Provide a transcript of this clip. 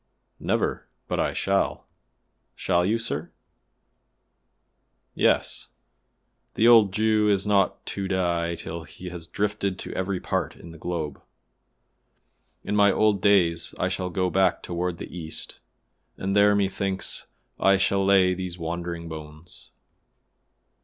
"Never, but I shall." "Shall you, sir?" "Yes; the old Jew is not to die till he has drifted to every part in the globe. In my old days I shall go back toward the East, and there methinks I shall lay these wandering bones."